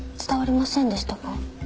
伝わりませんでしたか？